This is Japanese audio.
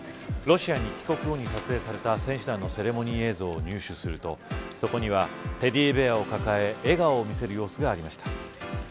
ロシアに帰国後に撮影された選手団のセレモニー映像を入手するとそこにはテディベアを抱え笑顔を見せる様子がありました。